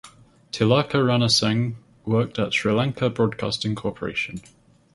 Tilaka Ranasinghe worked at Sri Lanka Broadcasting Corporation.